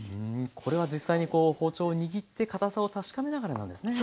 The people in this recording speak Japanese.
これは実際に包丁を握って堅さを確かめながらなんですね。